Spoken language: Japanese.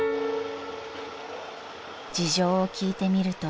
［事情を聴いてみると］